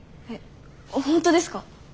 えっ本当ですか？